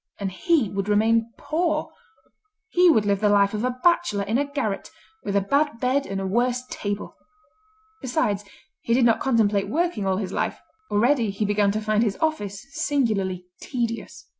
And he would remain poor; he would live the life of a bachelor in a garret, with a bad bed and a worse table. Besides, he did not contemplate working all his life; already he began to find his office singularly tedious.